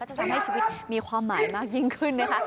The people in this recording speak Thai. จะทำให้ชีวิตมีความหมายมากยิ่งขึ้นนะคะ